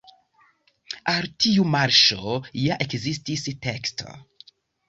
Al tiu marŝo ja ekzistis teksto.